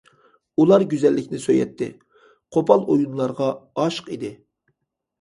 ئۇلار گۈزەللىكنى سۆيەتتى، قوپال ئويۇنلارغا ئاشىق ئىدى.